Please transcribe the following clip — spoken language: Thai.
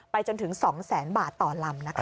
ไปจนถึง๒๐๐๐๐๐บาทต่อลำนะคะ